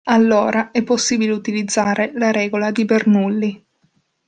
Allora è possibile utilizzare la regola di Bernoulli.